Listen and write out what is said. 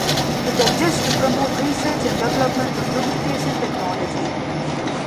It exists to promote research and development of lubrication technology.